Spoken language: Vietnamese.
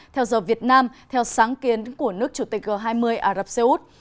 theo giờ việt nam theo sáng kiến của nước chủ tịch g hai mươi ả rập xê út